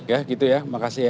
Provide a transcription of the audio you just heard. ya gitu ya makasih ya